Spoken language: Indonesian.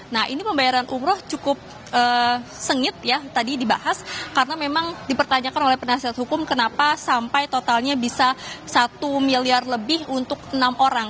nah ini pembayaran umroh cukup sengit ya tadi dibahas karena memang dipertanyakan oleh penasihat hukum kenapa sampai totalnya bisa satu miliar lebih untuk enam orang